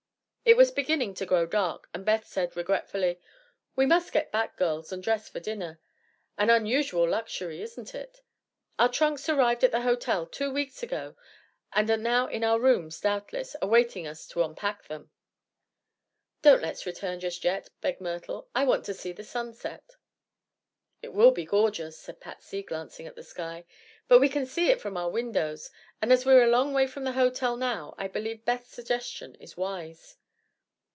It was beginning to grow dark, and Beth said, regretfully: "We must get back, girls, and dress for dinner an unusual luxury, isn't it? Our trunks arrived at the hotel two weeks ago, and are now in our rooms, doubtless, awaiting us to unpack them." "Don't let's return just yet," begged Myrtle. "I want to see the sun set." "It will be gorgeous," said Patsy, glancing at the sky; "but we can see it from our windows, and as we're a long way from the hotel now I believe Beth's suggestion is wise."